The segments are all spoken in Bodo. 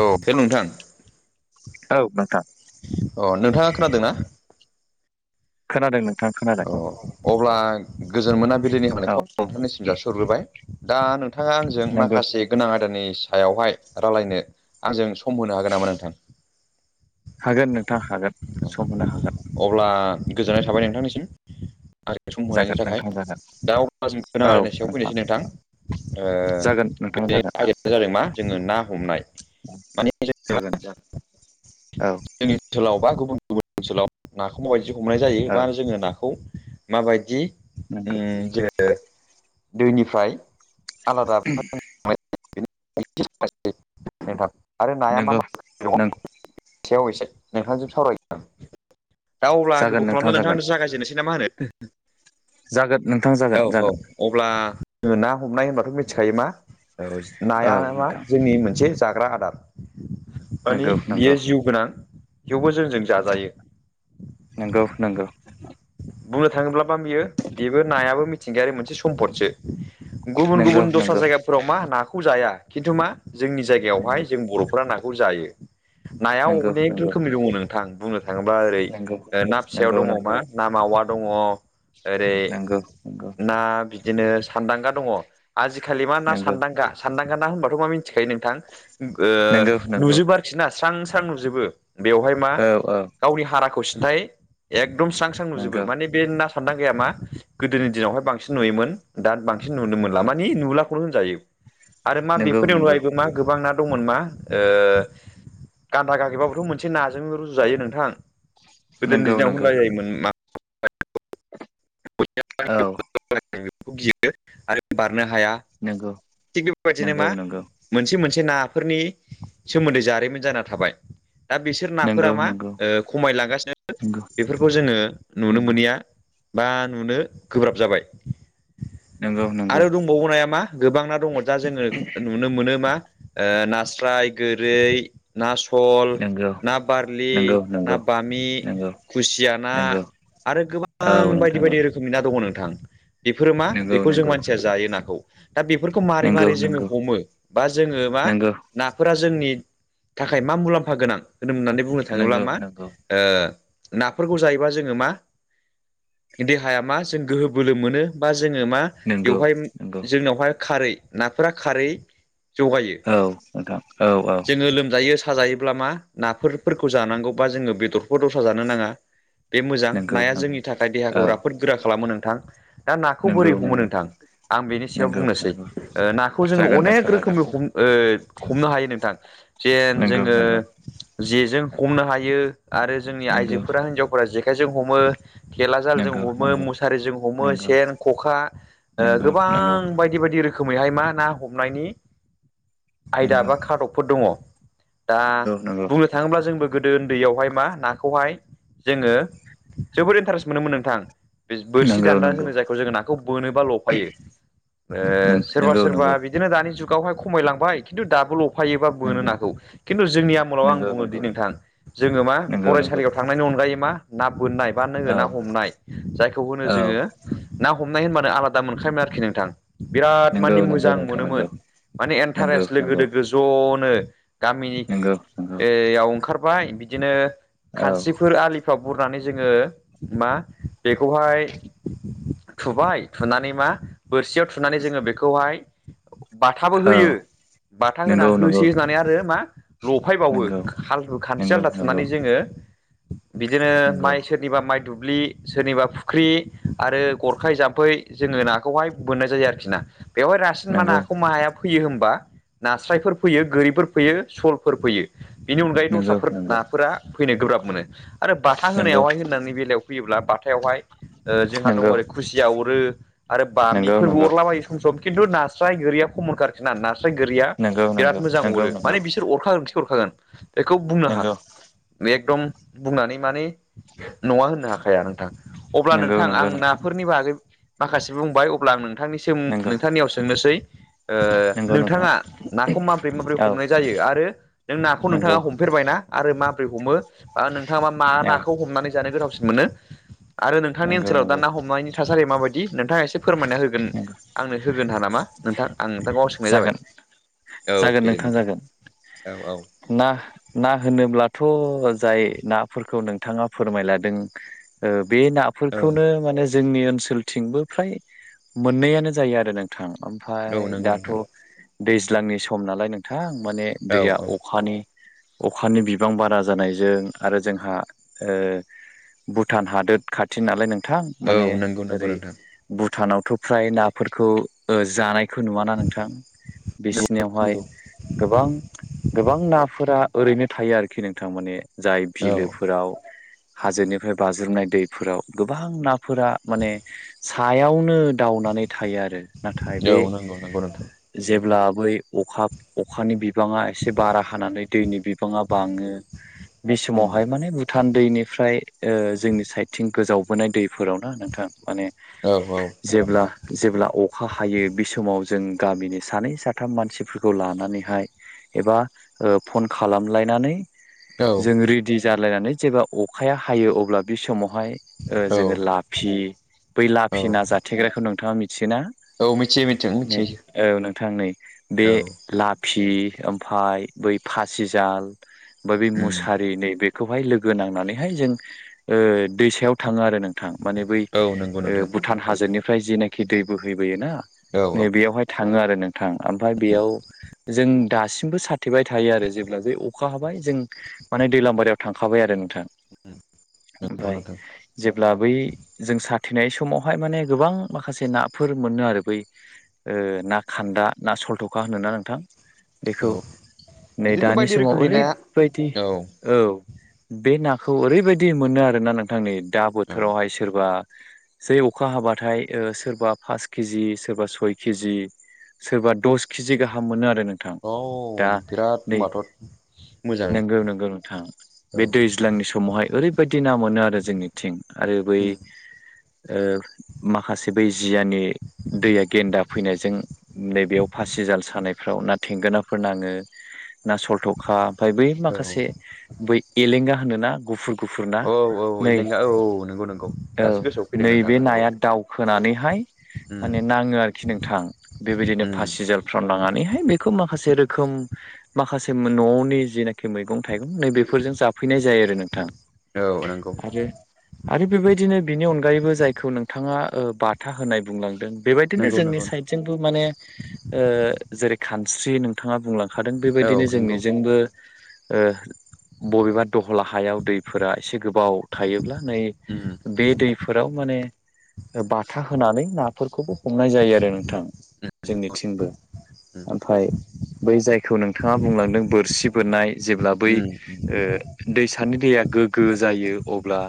औ हेल' नोंथां औ नोंथां अ नोंथाङा खोनादोंना? खोनादों नोंथा खोनादों। अ अब्ला गोजोन मोना बिलिनि औ हामब्लायनायखौ नोंथांनिसिम जासिहरग्रोबाय। दा नोंथाङा आंजों नंगौ माखासे गोनां आयदायनि सायावहाय रायलायनो आंजों सम होनो हागोन नामा नोंथां हागोन नोंथाङा हागोन सम होनो हागोन। अब्ला गोजोननाय थाबाय नोंथांनिसिम। आरो सम होनायनि जागोन थाखाय नोंथां जागोन दा अब्ला जों गोनां रलायनाय सायाव फैनोसै नोंथां। जागोन नोंथां जागोन। आ जादों मा जोङो ना हमनाय। औ माने जों जागोन जागोन औ जोंनि ओनसोलाव बा गुबुन गुबुन ओनसोलाव नाखौ माबायदि हमनाय जायो औ बा जोङो नाखौ माबायदि नंगौ जोङो दैनिफ्राय आलादा [unintelligible] नोंथां आरो नाया मा नंगौ मा दङ नों सायाव एसे नोंथांजों सावरायगोन आं दा अब्ला जागोन गोबाव नोंथां खालामना जागोन नोंथांजों जागायजेननोसै ना मा होनो जागोन नोंथां औ जागोन औ जागोन अब्ला जोङो ना हमनाय होनबाथ' मिथिखायो मा औ नाया मा नोंथां जोंनि मोनसे जाग्रा आदार माने नंगौ नंगौ बियो जिउ गोनां थेवबो जोंजों जाजायो नंगौ नंगौ बुंनो थाङोब्ला बा बियो बेबो नायाबो मिथिंगायारि मोनसे सम्पदसो गुबुन नंगौ गुबुन नंगौ दस्रा जायगाफोराव मा नाखौ जाया खिन्थु मा जोंनि जाय नंगौ बेयावहाय जों बर'फोरा नाखौ जायो नाया नंगौ अनेक नंगौ रोखोमनि दङ नोंथां बुंनो थाङोब्ला ओरै नंगौ ना फिसायाव नंगौ दङ नंगौ मा ना मावा दङ ओरै नंगौ ना बि दिनो सानदांगा दङ आजिखालि मा ना सानदांगा सानदांगा होनबाथ' मा मिथिखायो नों थां ओ नंगौ नंगौ नुजोबो आरोखि ना स्रां स्रां नुजोबो बेवहाय मा औ औ गावनि हाराखौ सिन्थाय एकदम स्रां स्रां नुजोबो नंगौ माने बे ना सान्दांगाया मा गोदोनि दिनावहाय बांसिन नुयोमोन दा बांसिन नुनो मोनला नंगौ मानि नुला खौनो होनजायो आरो मा नंगौ बेफोरनि नंगौ अनगायबो मा गोबां ना दंमोन मा ओ गान्दा गागेबाबोथ' मोनसे नाजों रुजुजायो नोंथां गोदोनि नंगौ दिनाव नंगौ होननाय जायोमोन मा औ [unintelligible] गियो आरो बारनो हाया नोंगौ थिग बेबायदिनो मा मोनसे मोनसे नाफोरनि सोमोन्दै जारिमिन जाना थाबाय दा बिसोर नंगौ नाफोरा मा नंगौ ओ खमायलांगासिनो नंगौ बेफोरखौ जोङो नुनो नंगौ मोनैया बा नुनो गोब्राब जाबाय नंगौ नंगौ आरो दंबावो नाया मा गोबां ना दङ दा जोङो नुनो मोनो मा नास्राय गोरै ना सल नंगौ ना बारलि नंगौ ना नंगौ बामि नंगौ खुसिया ना नंगौ आरो औ गोबां बायदि नोंथां औ बायदि रो खोमनि ना दङ नोंथां बेफोरो मा नंगौ बेखौ जों नंगौ मानसिया जायो नाखौ दा बे खौ मारै नंगौ मारै जोङो नंगौ हमो बा जोङो मा नंगौ नाफोरा जोंनि थाखाय मा मुलाम्फा गोनां होनोम होननानै बुंनो थाङोब्ला नंगौ नंगौ मा ओ नाफोरखौ जायोबा जोङो मा देहाया मा जों गोहो बोलो मोनो बा जोङो मा नंगौ बेवहाय नंगौ जोंनावहाय खारै नाफोरा खारै जगायो औ नोंथां औ औ जोङो लोमजायो साजायो अब्ला मा नाफोरखौ जानांगौबा जोङो बेदरफोर दस्रा जानो नाङा बे मोजां नंगौ नाया नंगौ जोंनि थाखाय देहाखौ औ राफोद गोरा खालामो नोंथां दा नाखौ नंगौ बोरै हमो नंगौ नोंथां आं बेनि सायाव नंगौ बुंनोसै नंगौ ओ नाखौ जोङो जागोन नोंथां अनेक रोखोमै जागोन हम ओ हमनो हायो नोंथां जेन नंगौ जोङो नंगौ जेजों हमनो हायो आरो जोंनि नंगौ आइजोफोरा हिनजावफोरा जेखायजों हमो थेला जाल जों नंगौ नंगौ हमो मुसारिजों हमो नंगौ सेन खखा ओ नंगौ गोबां बायदि बायदि रो खोमैहाय मा ना हमनायनि आयदा बा नंगौ खादबफोर दङ दा नंगौ बुंनो थाङोब्ला जोंबो गोदो उन्दैयावहाय मा नाखौहाय जोङो जोबोद इन्टारेस्ट मोनोमोन नोंथां बो-बोरसि नंगौ नंगौ दान्दा होनो जायखौ जोङो नाखौ बोनोबा लफायो ओ सोरबा नंगौ नंगौ सोरबा बि बिदिनो दानि जुगावहाय खमायलांबाय खिन्थु दाबो ल फायोबा बोनो नागौ खिन्थु जोंनि आमोलाव आं बुङो दि नंगौ नोंथां जोङो मा नंगौ नंगौ फरायसालियाव थां नायनि अनगायै मा ना बोननाय बा औ नोङो ना हमनाय जायखौ होनो औ जोङो ना हमनाय होनबानो आलादा मोनखायोमोन आरोखि नोंथां बिराद नंगौ माने नंगौ मोजां नोंथां मोनोमोन नंगौ माने नंगौ इन्टारेस्ट लोगो नंगौ दोगो ज'नो नंगौ नंगौ गामिनियोयाव ओंखारबाय बिदिनो औ खानस्रिफोर आलिफोर बुरनानै जोङो मा बेखौहाय थुबाय थुनानै मा बोरसियाव थुनानै जोङो बेखौ बेखौहाय बाथाबो औ होयो बाथा होना नंगौ नंगौ होसै होननानै आरो मा लफायबावो नंगौ हालदु खानस्रि नंगौ आलदा नंगौ थुनानै जोङो बिदिनो माइ नंगौ स सोरनिबा माइ दुब्लि सोरनिबा फुख्रि आरो गरखाय जाम्फै जोङो नाखौहाय बोननाय जायो आरोखि ना। बेवहाय रासिन मा नंगौ नंगौ नाहाखौ माया फैयो होनबा नास्रायफोर फैयो गोरिफोर फैयो सलफोर फैयो बेनि अनगायै नंगौ दस्राफोर नंगौ नाफोरा फैनो गोब्राब मोनो आरो बाथा होनायावहाय होननि बेलायाव फैयोब्ला बाथायावहाय जोंहा दङ नंगौ ओरै खुसिया अरो आरो नंगौ नंगौ बामिफोरबो अरलाबायो। खिन्थु नास्राय गीरिया खमन खा आरोखि ना नास्राय गोरिया नंगौ बिराद नंगौ मोजां अरो माने बिसोर अरखागोनसे अरखागोन बेखौ बुंनो नंगौ हागौ। एखदम बुंनानै माने नङा होननो हाखाया नोंथां अब्ला नंगौ नोंथां आं नंगौ नाफोरनि बागै माखासे बुंबाय अब्ला आं नोंथांनि सिम नंगौ नोंथांनियाव सोंनोसै नंगौ नोंथां नोंथाङा नाखौ माबोरै माबोरै औ हमनाय जायो आरो नों नाखौ नंगौ नोंथाङा हमफेरबाय ना? आरो माबोरै हमो बा नोंथाङा मा मा औ नाखौ हमनानै जानो गोथावसिन मोनो? आरो नोंथांनि नंगौ ओनसोलाव दा नंगौ ना हमनायनि थासारिया माबायदि नोंथाङा एसे फोरमायना होगोन नंगौ आंनो होगोन नामा नोंथां आं नोंथांखौ सोंनाय जाबाय जागोन औ जागोन दे दे नोंथां जागोन औ औ ना ना होनोब्लाथ' जाय नाफोरखौ नोंथाङा फोरमायलादों बे औ नाफोरखौनो माने जोंनि ओनसोलथिंबो फ्राय मोननायानो जायो आरो नों नथां औ ओमफ्राय नंगौ दाथ' नोंथां दैज्लांनि सम नालाय नोंथां माने औ दैया औ अखानि अखानि बिबां बारा जानायजों आरो जोंहा ओ भुटान हादोर खाथि नालाय नोंथां औ माने नंगौ नंगौ ओरै नोंथां भुटानावथ' फ्राय नाफोरखौ जानायखौ नुवाना नों थां नंगौ बिसिनियावहाय नंगौ गोबां गोबां नाफोरा ओरैनो थायो आरोखि नोंथां माने जाय औ बिलोफोराव हाजोनिफ्राय बाज्रुमनाय दैफोराव गोबां ना फोरा माने सायावनो दावनानै थायो आरो नाथाय औ बे नंगौ नंगौ नोंथां जेब्ला बै अखा अखानि बिबाङा एसे बारा हानानै दैनि बिबाङा बाङो बे उम समावहाय माने भुटान दैनिफ्राय जोंनि साइडथिं गोजावबोनाय दैफोरावनो नोंथां माने औ औ जेब्ला जेब्ला अखा हायो बे समाव जों गामिनि सानै साथाम मानसिफोरखौ लानानैहाय एबा फन खालामलायनानै औ जों रेडि जालायनानै जेब्ला अखाया हायो अब्ला बे समावहाय ओ औ जोङो लाफि बै औ लाफि नााजाथेग्राखौ नोंथाङा मिथियोना? औ मिथियो मिथिग नै मिथियो औ नोंथां नै बे औ लाफि ओमफ्राय बै फासिजाल [unintelligible] बे उम मुसारि नै बे खौहाय लोगो नांनानैहाय जों दैसायाव थाङो आरो नोंथां माने बै औ नंगौ नोंथां ओभुटान हाजोनिफ्राय जिनाखि दै बोहैबोयोना औ नै औ बेयावहाय थाङो आरो नोंथां ओमफ्राय बेयाव जों दासिमबो साथेबाय थायो आरो जेब्ला बे अखा हाबाय जों माने दैलामांबारियाव थांखाबाय आरो नोंथां नंगौ ओमफ्राय नोंथां जेब्ला बै जों साथेनाय समावहाय माने गोबां माखासे नाफोर मोनो आरो बै ना खान्दा ना सलथ'खा होनो ना नोंथां। बेखौ औ नै बिदिनो दानि बायदि समाव रोखोमनि नाया ओरैबायदि औ औ बे नाखौ ओरैबायदि मोनो आरोना नोंथांनि दा औ बोथोरावहायसो सोरबा जै अखा हाबाथाय सोरबा पास केजि सोरबा सय केजि सोरबा दस केजि गाहाम मोनो आरो नों औ बिराद होमबाथ। नोंगौ नोंगौ नोंथां। औ बे दैज्लांनि समावहाय ओरैबायदि ना मोनो आरो जोंनिथिं आरो बै उम माखासे बै जियानि दैया गेन्दाब नायजों नैबेयाव फासि जाल सानायफ्राव ना थेंगोनाफोर नाङो। ना सलथ'खा ओमफाय बै औ माखासे बै एलेंगा होनोना गुफुर गुफुर ना औ औ नै एलेंगा औ औ नंगौ नंगौ दासो ओ गोसोआव फैदों नोंथां नैबे नंगौ नाया दाउ होनानैहाय उम माने नाङो आरोखि नोंथां बेबायदिनो उम फासि जाल्टफ्राव लानानैहाय बेखौ माखासे रोखोम माखासे मोन न'यावनि जिनाखि मैगं थाइगं नैबेफोरजों जाफैनाय जायो आरो नोंथां। औ नंगौ। जे आरो बेबायदिनो बिनि अनगायैबो जायखौ नोंथाङा बाथा होनाय बुंलांदों बेबाय दिनो नंगौ जोंनि नंगौ नोंथां साइदजोंबो माने जेरै खानस्रि नोंथाङा बुंलां खादों औ बेबायदिनो नंगौ जोंनिजोंबो ओ बबेबा दहला हायाव दैफोरा एसे गोबाव थायोब्ला नै उम बे दैफोराव माने बाथा होनानै नाफोरखौबो हमनाय जायो आरो नोंथां जोंनिथिंबो उम आमफाय बै जायखौ नोंथाङा बुंलांदों बोरसि बोननाय जेब्ला बै उम उम ओ दैसानि दैया गोग्गो जायो अब्ला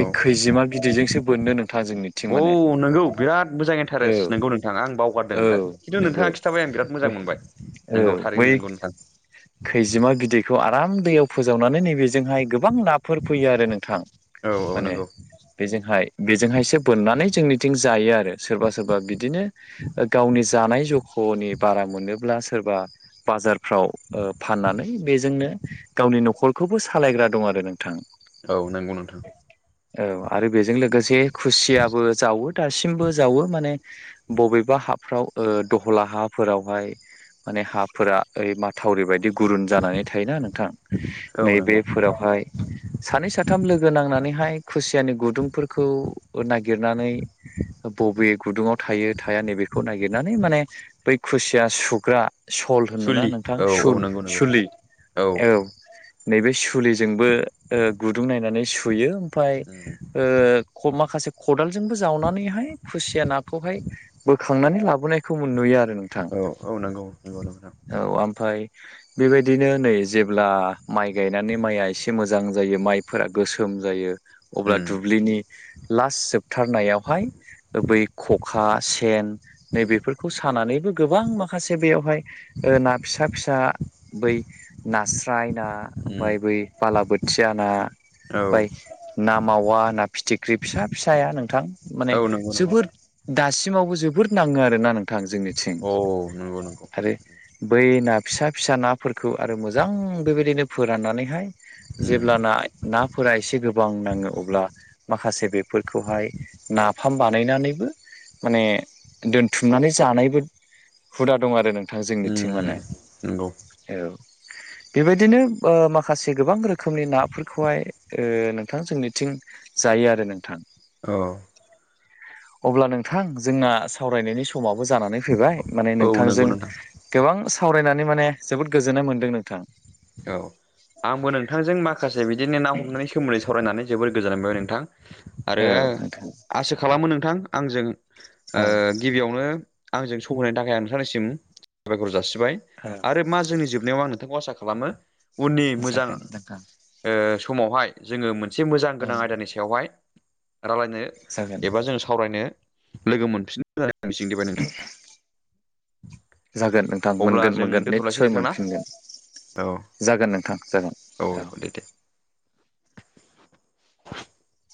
औ खैजोमा बिदैजोंसो बोननो नोंथां औ जोंनिथिं माने। नोंगौ बिराद मोजां औ इन्टारेस्ट नोंगौ नोंथां आं बावगारदों औ खिन्थु नोंथा नंगौ खिथाबाय आं बिराद औ मोजां मोनबाय। नोंगौ बै थारैनो नोंगौ नोंथां। खैजिमा बिदैखौ आराम दैयाव फोजावनानै नैबेजोंहाय गोबां ना फोर फैयो आरो नोंथां औ औ माने। नोंगौ बेजोंहाय बेजोंहायसो बोननानै जोंनिथिं जायो आरो। सोरबा सोरबा बिदिनो गावनि जानाय जु हनि बारा मोनोब्ला सोरबा बाजारफ्राव फाननानै बेजोंनो गावनि न'खरखौबो सालायग्रा दं आरो नोंथां। औ नंगौ नोंथां। औ आरो बेजों लोगोसे खुसियाबो जावो। दासिमबो जावो माने बबेबा हाफ्राव दहला हाफोरावहाय माने हाफोरा ओरै माथ थावरि बायदि गुरुन जानानै थायोना नोंथां औ नोंगौ नैबेफोरावहाय सानै साथाम लोगो नांनानैहाय खुसियानि गुदुंफोरखौ नागिरनानै बबे गुदुङाव थायो थाया नैबेखौ नागिरनानै माने बै खुसिया सुग्रा सल होनोना सुलि नोंथां औ औ सुल नोंगौ नोंगौ सुलि औ औ नैबे सुलिजोंबो गुदुं नायनानै सुयो। फाय उम माखासे खदालजोंबो जावनानैहाय खुसिया नाखौहाय बोखांनानै लाबोनायखौ मोन नुयो आरो। नोंथां औ औ नंगौ नंगौ नोंथां। फाय बेबायदिनो नै जेब्ला माइ गायनानै माइया एसे मोजां जायो माइफोरा गोसोम जायो। अब्ला उम दुब्लिनि लास्ट जोबथारनायावहाय बै खखा सेन नैबेफोरखौ सानानैबो गोबां माखासे बेयावहाय ना फिसा फिसा बै नास्राय ना ओमफाय उम बै बालाबोथिया ना औ ओफाय ना मावा ना फिथिख्रि फिसा फिसाया नोंथां औ माने नोंगौ जोबोद नोंथां दासिमावबो जोबोद नाङो आरोना नोंथां जोंनिथिं। औ नोंगौ नोंगौ आरो बै ना फिसा फिसा नाफोरखौ आरो मोजां बेबायदिनो फोराननानैहाय उम जेब्लाना नाफोरा एसे गोब बां नाङो अब्ला माखासे बेफोरखौहाय नाफाम बानायनानैबो माने दोनथुमनानै जानायबो हुदा दं आरो नों उम नंगौ। औ बेबायदिनो ओ माखासे गोबां रोखोमनि नाफोरखौहाय ओ नोंथां जोंनिथिं जायो आरो नोंथां। अ अब्ला नोंथां जोंना सावरायनायनि समाबो जानानै फैबाय माने औ नोंगौ नोंथांजों नोंथां गोबां सावरायनानै माने जोबोद गोजोननाय मोनदों नोंथां। औ आंबो नोंथांजों माखासे बिदिनो ना हमनायनि सोमोन्दै सावरायनानै जोबोर गोजोननाय मोनबाय नोंथां। आरो औ नोंथां आसा खालामो नोंथां आंजों ओ औ गिबियावनो आंजों सौहैनायनि थाखाय आं नोंथांनिसिम साबायखर जासिबाय। औ आरो मा जोंनि जोबनायाव आं नोंथांखौ आसा खालामो उननि मोजां जागोन नोंथां समावहाय जोङो मोनसे मोजां औ गोनां आयदानि नोंथां सायावहाय रायलायनो जागोन एबा जों सावरायनो लोगो मोनफिननो आं मिजं दिबाय नोंथां। जागोन नोंथां अब्ला मोनगोन जों मोनगोन दोनथ'लायसै निस्सय नोंथां ना मोनफिनगोन, औ जागोन नोंथां जागोन। औ दे दे [unintelligible]